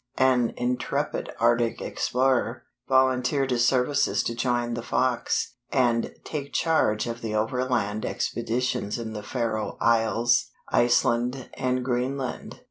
an intrepid Arctic explorer, volunteered his services to join the Fox, and take charge of the overland expeditions in the Faroe Isles, Iceland, and Greenland.